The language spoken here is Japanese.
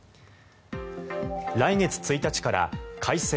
来月１日から改正